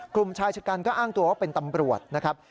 กลุ่มชายชะกันก็อ้างตัวว่าเป็นตำรวจนะครับ